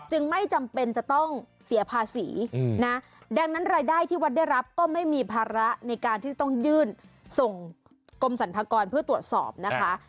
ไม่จำเป็นจะต้องเสียภาษีนะดังนั้นรายได้ที่วัดได้รับก็ไม่มีภาระในการที่จะต้องยื่นส่งกรมสรรพากรเพื่อตรวจสอบนะคะ